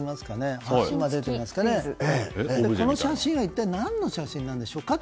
この写真は一体何の写真でしょうかと。